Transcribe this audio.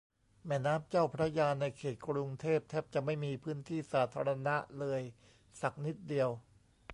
แม่น้ำเจ้าพระยาในเขตกรุงเทพ แทบจะไม่มีพื้นที่สาธารณะเลยสักนิดเดียว